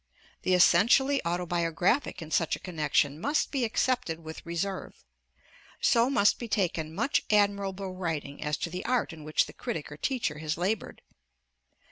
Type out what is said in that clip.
The essentially autobiographic in such a connection must be accepted with reserve. So must be taken much admirable writing as to the art in which the critic or teacher has labored.